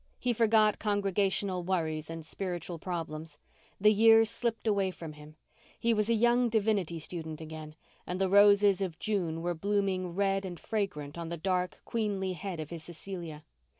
He forgot congregational worries and spiritual problems; the years slipped away from him; he was a young divinity student again and the roses of June were blooming red and fragrant on the dark, queenly head of his Cecilia.